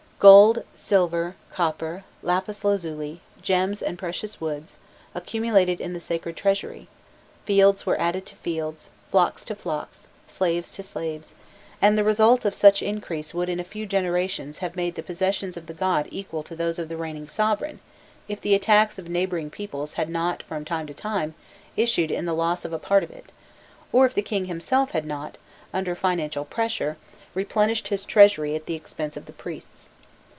Gold, silver, copper, lapis lazuli, gems and precious woods, accumulated in the sacred treasury; fields were added to fields, flocks to flocks, slaves to slaves; and the result of such increase would in a few generations have made the possessions of the god equal to those of the reigning sovereign, if the attacks of neighbouring peoples had not from time to time issued in the loss of a part of it, or if the king himself had not, under financial pressure, replenished his treasury at the expense of the priests.